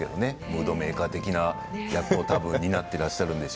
ムードメーカー的な役をたぶん担っていらっしゃるんで